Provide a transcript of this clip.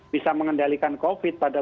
bisa mengendalikan covid pada